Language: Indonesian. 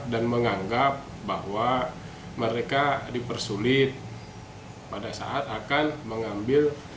dan menganggap bahwa mereka dipersulit pada saat akan mengambil